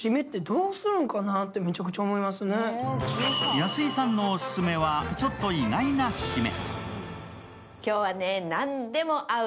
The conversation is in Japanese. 安井さんのオススメは、ちょっと意外な締め。